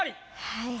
はい。